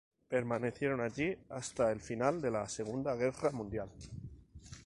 Permanecieron allí hasta el final de la Segunda Guerra Mundial.